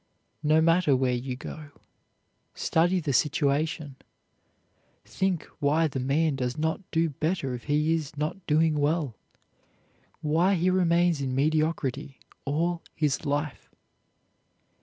No matter where you go, study the situation. Think why the man does not do better if he is not doing well, why he remains in mediocrity all his life.